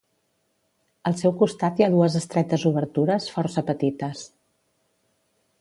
Al seu costat hi ha dues estretes obertures, força petites.